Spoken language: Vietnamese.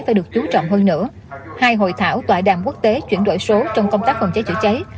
phải được chú trọng hơn nữa hai hội thảo tòa đàm quốc tế chuyển đổi số trong công tác phòng cháy chữa cháy